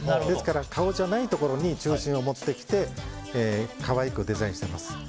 ですから、顔じゃないところに中心をもってきて可愛くデザインしています。